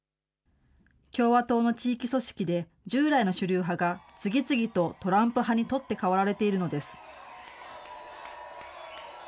共和党の地域組織で従来の主流派が次々とトランプ派に取って代わられているのです。